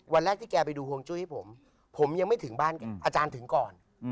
วันแรกที่แกไปดูฮวงจุ้ยให้ผมผมยังไม่ถึงบ้านอาจารย์ถึงก่อน